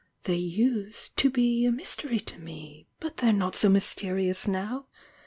They used to be a mystery to me, but they're not so mysterious now!